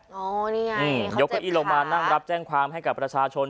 นี่ไงเขาเจ็บขายกก้อยี่ลงมานั่งรับแจ้งความให้กับประชาชน